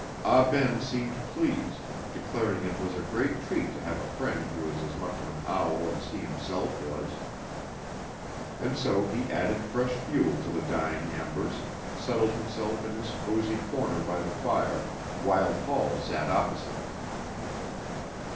Ah Ben seemed pleased, declaring it was a great treat to have a friend who was as much of an owl as he himself was. And so he added fresh fuel to the dying embers, settled himself in his cosy corner by the fire, while Paul sat opposite.